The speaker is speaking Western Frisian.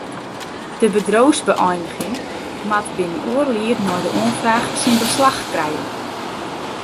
De bedriuwsbeëiniging moat binnen oardel jier nei de oanfraach syn beslach krije.